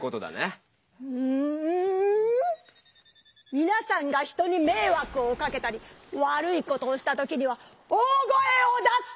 みなさんが人にめいわくをかけたりわるいことをした時には大声を出す！